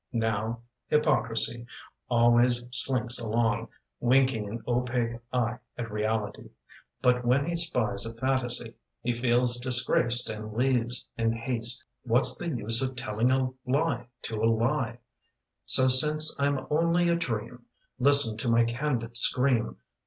Now, Hypocrisy Always slinks along Winking an opaque eye at reality. But when he spies a fantasy He feels disgraced and leaves in haste. What's the use of telling a lie to a lie? So, since I'm only a dream, Listen to my candid scream.